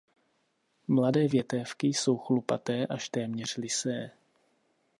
Mladé větévky jsou chlupaté až téměř lysé.